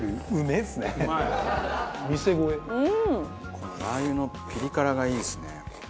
このラー油のピリ辛がいいですね。